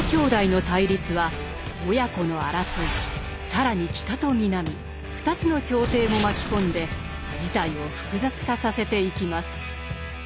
更に北と南２つの朝廷も巻き込んで事態を複雑化させていきます。